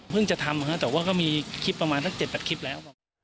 เพิ่งจะทำฮะแต่ว่าก็มีคลิปประมาณทั้งเจ็ดบาทคลิปแล้ว